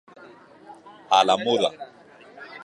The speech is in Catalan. A la muda.